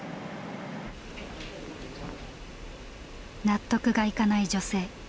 納得がいかない女性。